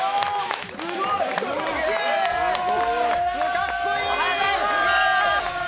かっこいい！